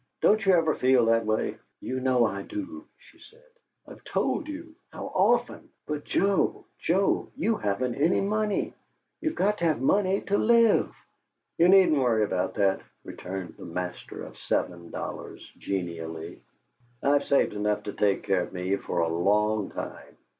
Don't you ever feel that way?" "You know I do," she said. "I've told you how often! But, Joe, Joe, you haven't any MONEY! You've got to have money to LIVE!" "You needn't worry about that," returned the master of seven dollars, genially. "I've saved enough to take care of me for a LONG time."